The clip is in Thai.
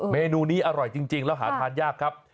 เมนูนี้อร่อยจริงแล้วหาทานยากครับ